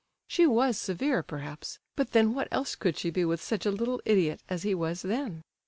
She was severe, perhaps; but then what else could she be with such a little idiot as he was then?